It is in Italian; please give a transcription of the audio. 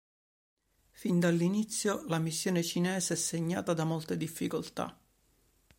Fin dall’inizio la missione cinese è segnata da molte difficoltà.